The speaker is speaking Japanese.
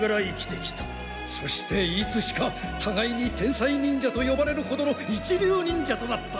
そしていつしかたがいに天才忍者と呼ばれるほどの一流忍者となった。